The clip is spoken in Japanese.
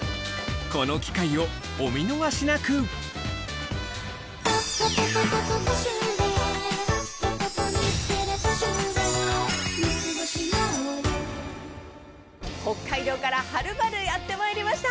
この機会をお見逃しなく北海道からはるばるやってまいりました。